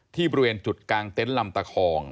บริเวณจุดกลางเต็นต์ลำตะคอง